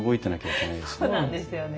そうなんですよね。